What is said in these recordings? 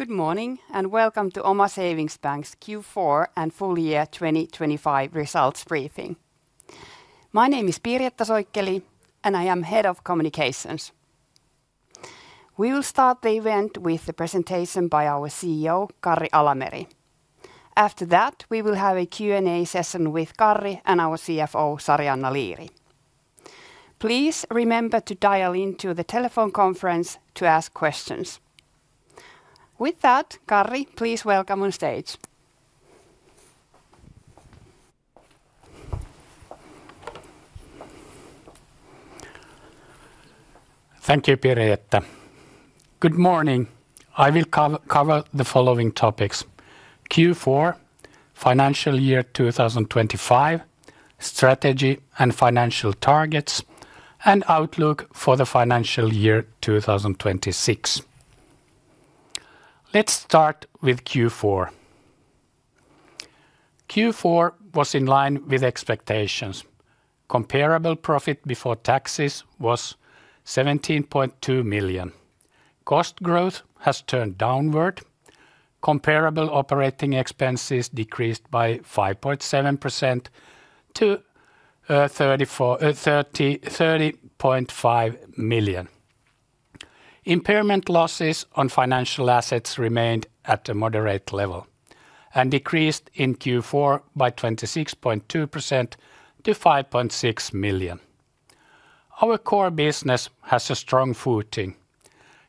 Good morning, and welcome to Oma Savings Bank's Q4 and full year 2025 results briefing. My name is Pirjetta Soikkeli, and I am Head of Communications. We will start the event with the presentation by our CEO, Karri Alameri. After that, we will have a Q&A session with Karri and our CFO, Sarianna Liiri. Please remember to dial into the telephone conference to ask questions. With that, Karri, please welcome on stage. Thank you, Pirjetta. Good morning. I will cover the following topics: Q4, financial year 2025, strategy and financial targets, and outlook for the financial year 2026. Let's start with Q4. Q4 was in line with expectations. Comparable profit before taxes was 17.2 million. Cost growth has turned downward. Comparable operating expenses decreased by 5.7% to 30.5 million. Impairment losses on financial assets remained at a moderate level and decreased in Q4 by 26.2% to 5.6 million. Our core business has a strong footing.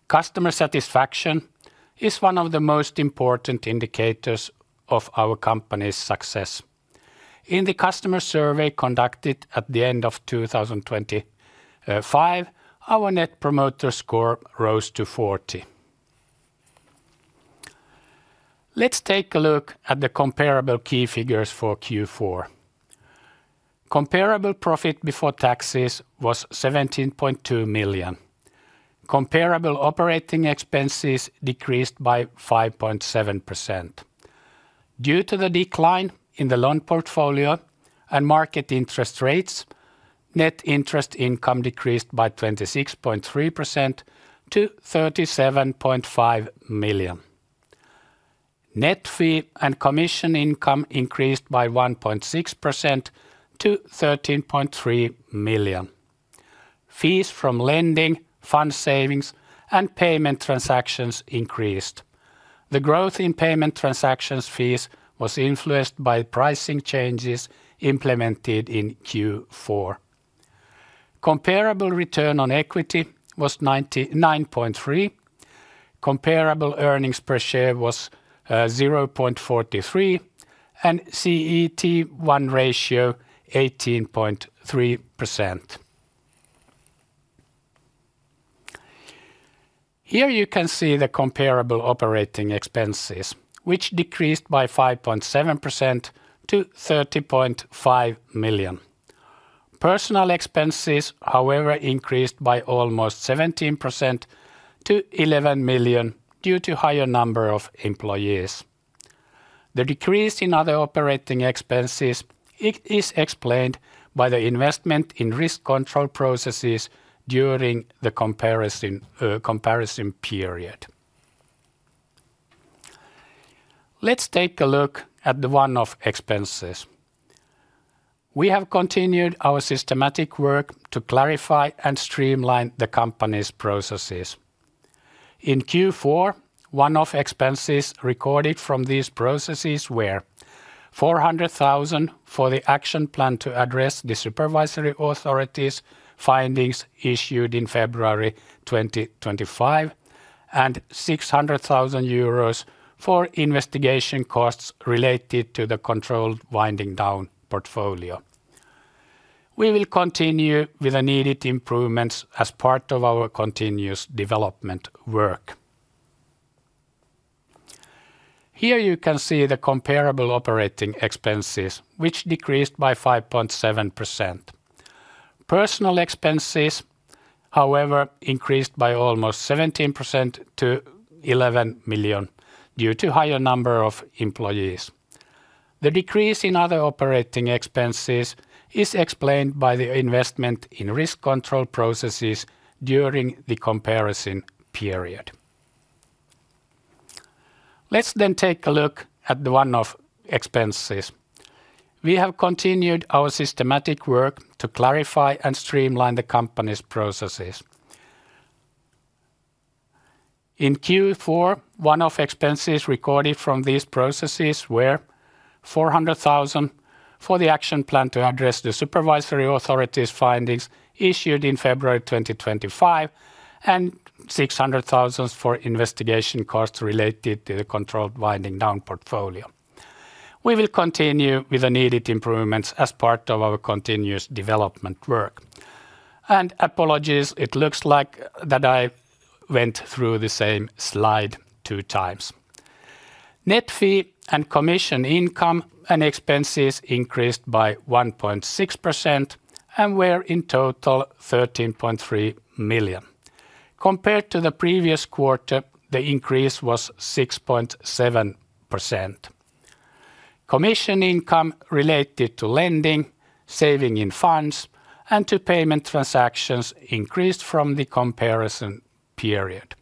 Customer satisfaction is one of the most important indicators of our company's success. In the customer survey conducted at the end of 2025, our net promoter score rose to 40. Let's take a look at the comparable key figures for Q4. Comparable profit before taxes was 17.2 million. Comparable operating expenses decreased by 5.7%. Due to the decline in the loan portfolio and market interest rates, net interest income decreased by 26.3% to 37.5 million. Net fee and commission income increased by 1.6% to 13.3 million. Fees from lending, fund savings, and payment transactions increased. The growth in payment transactions fees was influenced by pricing changes implemented in Q4. Comparable return on equity was 99.3, comparable earnings per share was 0.43, and CET1 ratio 18.3%. Here you can see the comparable operating expenses, which decreased by 5.7% to 30.5 million. Personal expenses, however, increased by almost 17% to 11 million due to higher number of employees. The decrease in other operating expenses is explained by the investment in risk control processes during the comparison period. Let's take a look at the one-off expenses. We have continued our systematic work to clarify and streamline the company's processes. In Q4, one-off expenses recorded from these processes were 400,000 for the action plan to address the supervisory authorities' findings issued in February 2025, and 600,000 euros for investigation costs related to the controlled winding down portfolio. We will continue with the needed improvements as part of our continuous development work. Here you can see the comparable operating expenses, which decreased by 5.7%. Personal expenses, however, increased by almost 17% to 11 million due to higher number of employees. The decrease in other operating expenses is explained by the investment in risk control processes during the comparison period. Let's then take a look at the one-off expenses. We have continued our systematic work to clarify and streamline the company's processes. In Q4, one-off expenses recorded from these processes were 400,000 for the action plan to address the supervisory authorities' findings issued in February 2025, and 600,000 for investigation costs related to the controlled winding down portfolio. We will continue with the needed improvements as part of our continuous development work. Apologies, it looks like that I went through the same slide two times. Net fee and commission income and expenses increased by 1.6% and were in total 13.3 million. Compared to the previous quarter, the increase was 6.7%.... Commission income related to lending, saving in funds, and to payment transactions increased from the comparison period.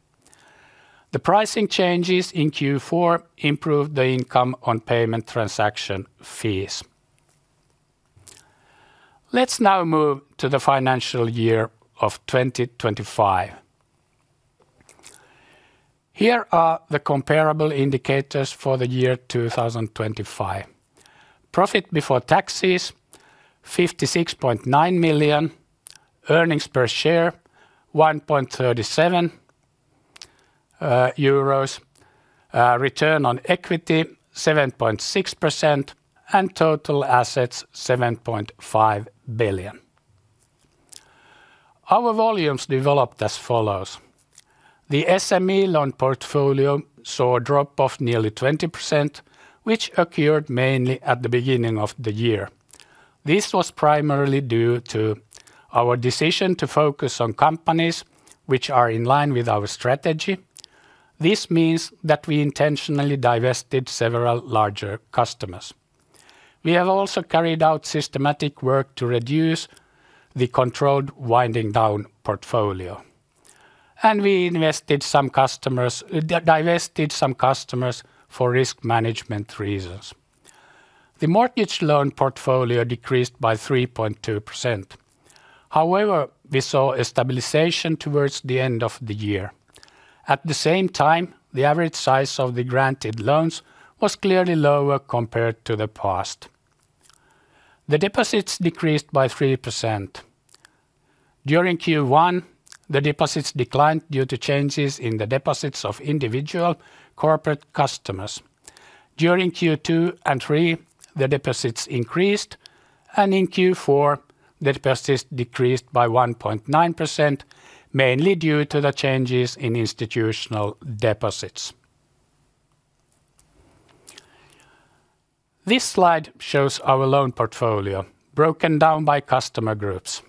The pricing changes in Q4 improved the income on payment transaction fees. Let's now move to the financial year of 2025. Here are the comparable indicators for the year 2025. Profit before taxes, 56.9 million. Earnings per share, 1.37 euros. Return on equity, 7.6%, and total assets, 7.5 billion. Our volumes developed as follows: The SME loan portfolio saw a drop of nearly 20%, which occurred mainly at the beginning of the year. This was primarily due to our decision to focus on companies which are in line with our strategy. This means that we intentionally divested several larger customers. We have also carried out systematic work to reduce the controlled winding down portfolio, and we divested some customers for risk management reasons. The mortgage loan portfolio decreased by 3.2%. However, we saw a stabilization towards the end of the year. At the same time, the average size of the granted loans was clearly lower compared to the past. The deposits decreased by 3%. During Q1, the deposits declined due to changes in the deposits of individual corporate customers. During Q2 and Q3, the deposits increased, and in Q4, the deposits decreased by 1.9%, mainly due to the changes in institutional deposits. This slide shows our loan portfolio broken down by customer groups.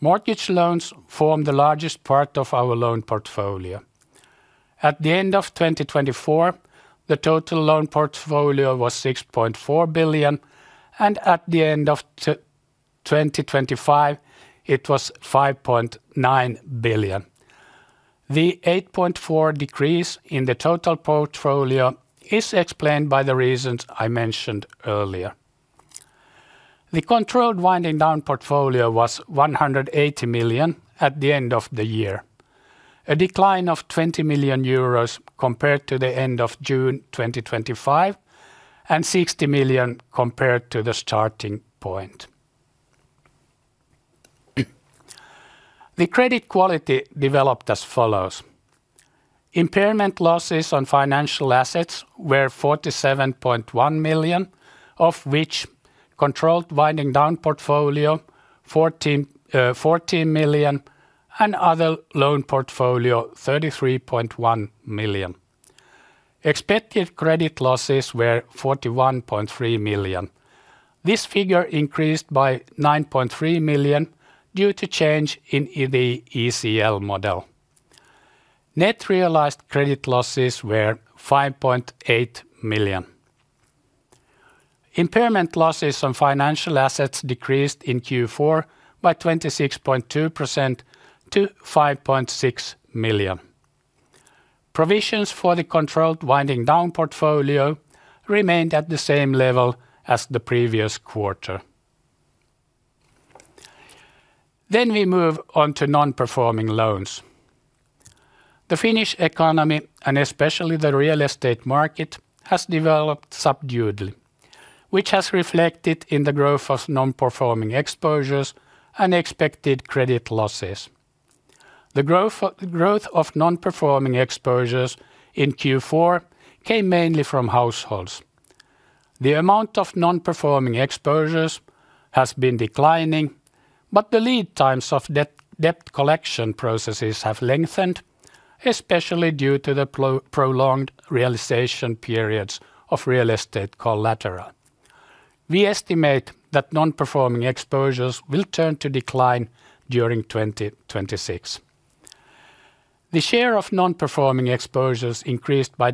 Mortgage loans form the largest part of our loan portfolio. At the end of 2024, the total loan portfolio was 6.4 billion, and at the end of 2025, it was 5.9 billion. The 8.4 decrease in the total portfolio is explained by the reasons I mentioned earlier. The controlled winding down portfolio was 180 million at the end of the year, a decline of 20 million euros compared to the end of June 2025, and 60 million compared to the starting point. The credit quality developed as follows: Impairment losses on financial assets were 47.1 million, of which controlled winding down portfolio, 14 million, and other loan portfolio, 33.1 million. Expected credit losses were 41.3 million. This figure increased by 9.3 million due to change in, in the ECL model. Net realized credit losses were 5.8 million. Impairment losses on financial assets decreased in Q4 by 26.2% to 5.6 million. Provisions for the controlled winding down portfolio remained at the same level as the previous quarter. Then we move on to non-performing loans. The Finnish economy, and especially the real estate market, has developed subduedly, which has reflected in the growth of non-performing exposures and expected credit losses. The growth of non-performing exposures in Q4 came mainly from households. The amount of non-performing exposures has been declining, but the lead times of debt collection processes have lengthened, especially due to the prolonged realization periods of real estate collateral. We estimate that non-performing exposures will turn to decline during 2026. The share of non-performing exposures increased to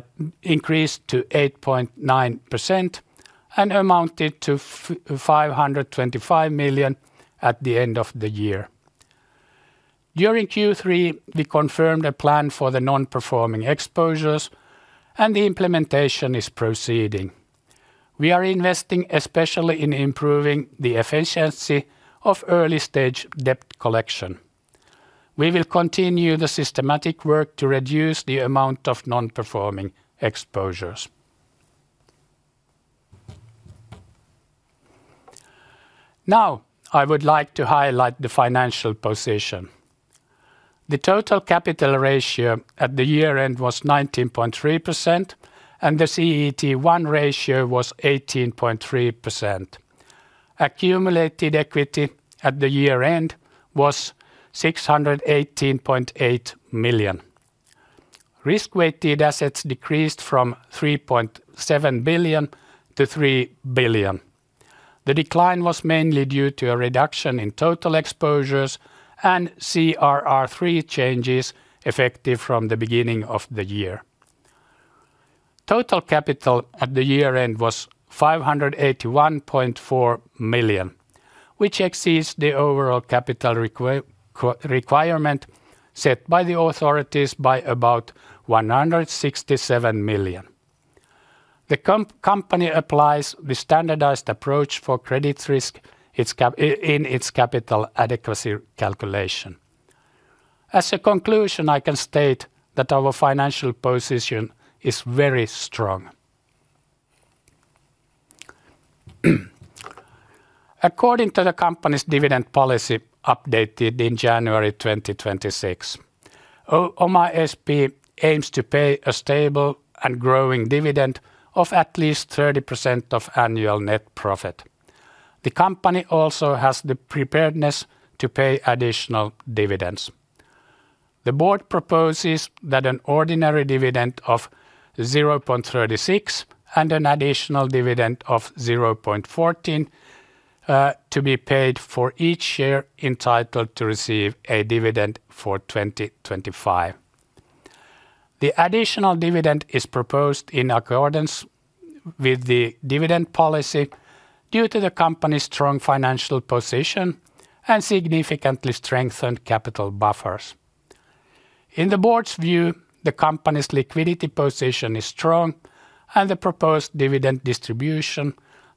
8.9% and amounted to 525 million at the end of the year. During Q3, we confirmed a plan for the non-performing exposures, and the implementation is proceeding. We are investing, especially in improving the efficiency of early-stage debt collection. We will continue the systematic work to reduce the amount of non-performing exposures. Now, I would like to highlight the financial position. The total capital ratio at the year-end was 19.3%, and the CET1 ratio was 18.3%. Accumulated equity at the year-end was 618.8 million. Risk-weighted assets decreased from 3.7 billion to 3 billion. The decline was mainly due to a reduction in total exposures and CRR3 changes effective from the beginning of the year. Total capital at the year-end was 581.4 million, which exceeds the overall capital requirement set by the authorities by about 167 million. The company applies the standardized approach for credit risk in its capital adequacy calculation. As a conclusion, I can state that our financial position is very strong. According to the company's dividend policy, updated in January 2026, OmaSp aims to pay a stable and growing dividend of at least 30% of annual net profit. The company also has the preparedness to pay additional dividends. The board proposes that an ordinary dividend of 0.36 and an additional dividend of 0.14 to be paid for each share entitled to receive a dividend for 2025. The additional dividend is proposed in accordance with the dividend policy due to the company's strong financial position and significantly strengthened capital buffers. In the board's view, the company's liquidity position is strong, and the proposed dividend distribution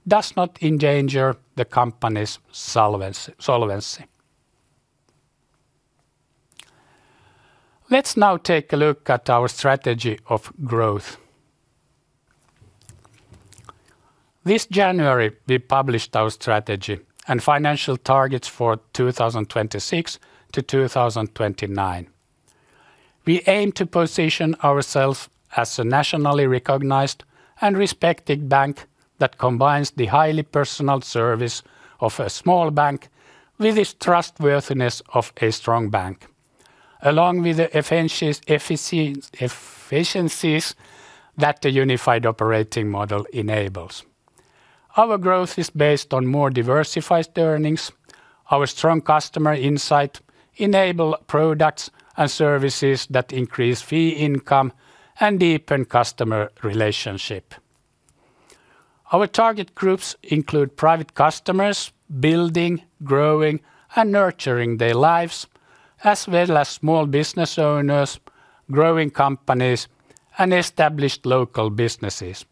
does not endanger the company's solvency. Let's now take a look at our strategy of growth. This January, we published our strategy and financial targets for 2026-2029. We aim to position ourselves as a nationally recognized and respected bank that combines the highly personal service of a small bank with the trustworthiness of a strong bank, along with the efficiencies that the unified operating model enables. Our growth is based on more diversified earnings. Our strong customer insight enable products and services that increase fee income and deepen customer relationship. Our target groups include private customers, building, growing, and nurturing their lives, as well as small business owners, growing companies, and established local businesses.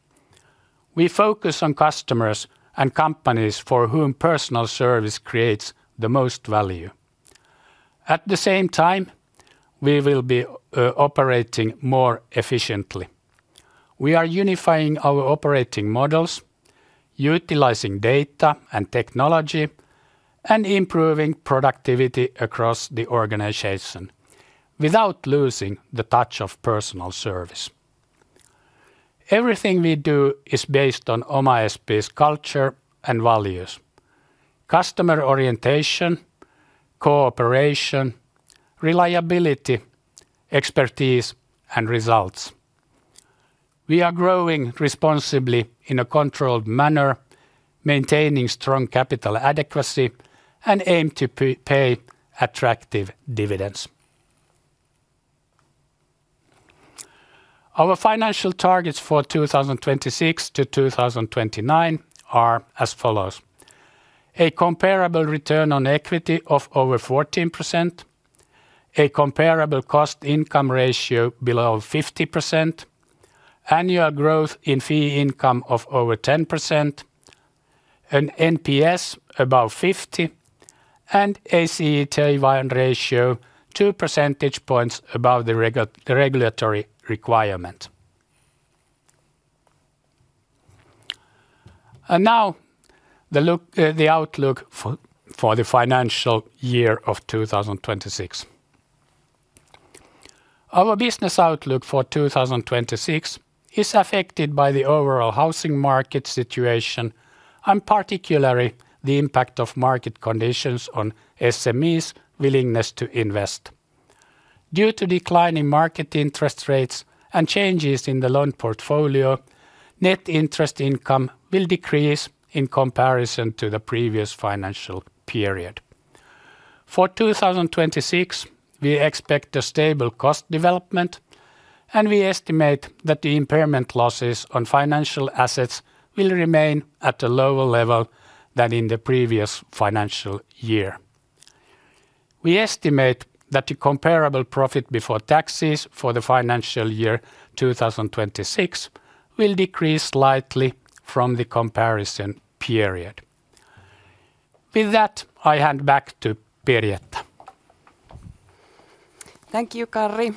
We focus on customers and companies for whom personal service creates the most value. At the same time, we will be operating more efficiently. We are unifying our operating models, utilizing data and technology, and improving productivity across the organization, without losing the touch of personal service. Everything we do is based on OmaSp's culture and values: customer orientation, cooperation, reliability, expertise, and results. We are growing responsibly in a controlled manner, maintaining strong capital adequacy, and aim to pay attractive dividends. Our financial targets for 2026-2029 are as follows: a comparable return on equity of over 14%, a comparable cost-income ratio below 50%, annual growth in fee income of over 10%, an NPS above 50, and CET1 ratio two percentage points above the regulatory requirement. And now, the outlook for the financial year of 2026. Our business outlook for 2026 is affected by the overall housing market situation, and particularly, the impact of market conditions on SMEs' willingness to invest. Due to decline in market interest rates and changes in the loan portfolio, net interest income will decrease in comparison to the previous financial period. For 2026, we expect a stable cost development, and we estimate that the impairment losses on financial assets will remain at a lower level than in the previous financial year. We estimate that the comparable profit before taxes for the financial year 2026 will decrease slightly from the comparison period. With that, I hand back to Pirjetta. Thank you, Karri.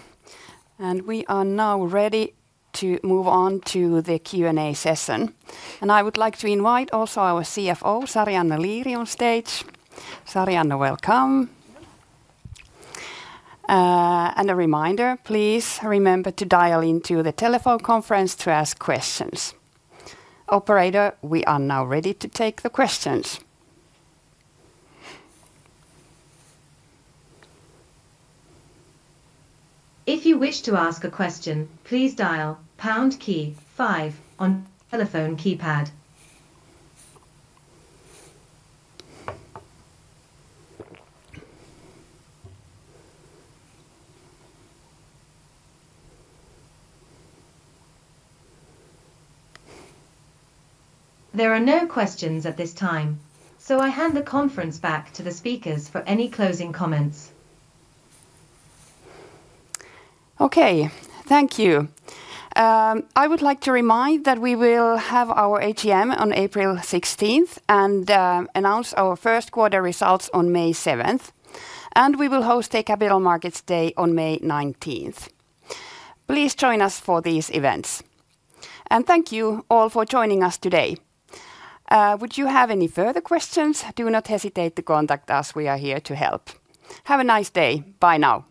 We are now ready to move on to the Q&A session. I would like to invite also our CFO, Sarianna Liiri, on stage. Sarianna, welcome A reminder, please remember to dial into the telephone conference to ask questions. Operator, we are now ready to take the questions. If you wish to ask a question, please dial pound key five on telephone keypad. There are no questions at this time, so I hand the conference back to the speakers for any closing comments. Okay, thank you. I would like to remind that we will have our AGM on April sixteenth, and announce our first quarter results on May 7, and we will host a Capital Markets Day on May 19. Please join us for these events, and thank you all for joining us today. Would you have any further questions? Do not hesitate to contact us, we are here to help. Have a nice day. Bye now.